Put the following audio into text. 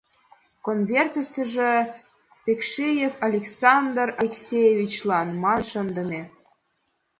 Конвертешыже «Пекшиев Александр Алексеевичлан» манын шындыме.